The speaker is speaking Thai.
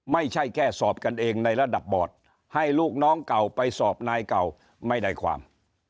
ไม่ใช่แค่สอบกันเองในระดับบอร์ดให้ลูกน้องเก่าไปสอบนายเก่าไม่ได้ความ